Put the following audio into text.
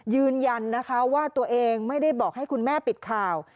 ยืนยันนะคะว่าตัวเองไม่ได้บอกให้คุณแม่ปิดข่าว